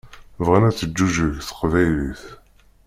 Bɣan ad teǧǧuǧeg teqbaylit.